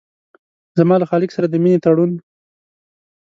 زما له خالق سره د مينې تړون